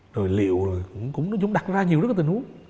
rồi liệu cũng đặt ra nhiều tình huống